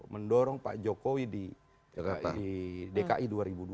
mendorong pak jokowi di dki dua ribu dua puluh